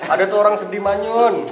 ada tuh orang sedih manyun